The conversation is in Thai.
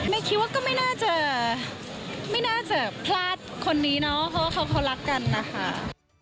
คิดว่าก็ไม่น่าจะไม่น่าจะพลาดคนนี้เนาะเพราะว่าเขารักกันนะคะ